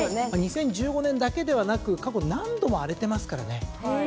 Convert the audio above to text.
２０１５年だけではなく過去何度も荒れてますからね。